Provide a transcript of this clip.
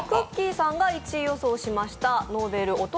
さんが１位予想しましたノーベル男